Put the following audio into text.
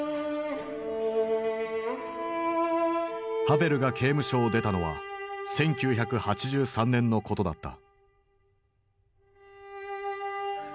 ハヴェルが刑務所を出たのは１９８３年のことだった。